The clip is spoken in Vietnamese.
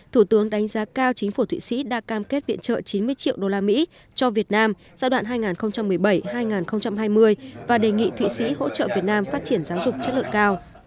thủ tướng đánh giá cao chính phủ thụy sĩ đã cam kết viện trợ chín mươi triệu đô la mỹ cho việt nam giai đoạn hai nghìn một mươi bảy hai nghìn hai mươi và đề nghị thụy sĩ hỗ trợ việt nam phát triển giáo dục chất lượng cao